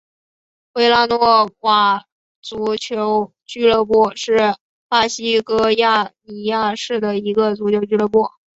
维拉诺瓦足球俱乐部是巴西戈亚尼亚市的一个足球俱乐部。